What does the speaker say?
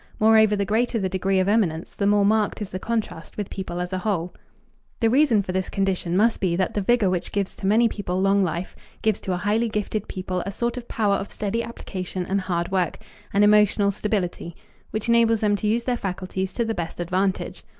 Moreover, the greater the degree of eminence, the more marked is the contrast with people as a whole. The reason for this condition must be that the vigor which gives to many people long life gives to highly gifted people a sort of power of steady application and hard work an emotional stability which enables them to use their faculties to the best advantage.